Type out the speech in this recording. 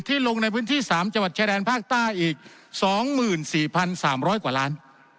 ลงในพื้นที่๓จังหวัดชายแดนภาคใต้อีก๒๔๓๐๐กว่าล้าน